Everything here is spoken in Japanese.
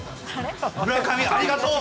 村上ありがとう！